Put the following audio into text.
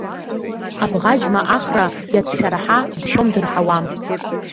Абӷаџьма ахра иацәшәараҳа, дшәом-дырҳауам.